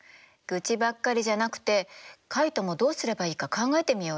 愚痴ばっかりじゃなくてカイトもどうすればいいか考えてみようよ。